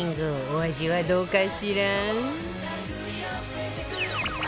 お味はどうかしら？